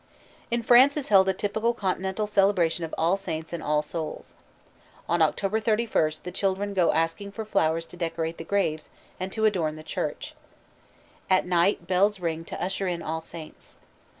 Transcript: In France is held a typical Continental celebration of All Saints' and All Souls'. On October 31st the children go asking for flowers to decorate the graves, and to adorn the church. At night bells ring to usher in All Saints'.